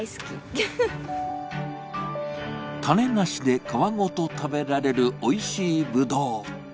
種なしで皮ごと食べられるおいしいぶどう。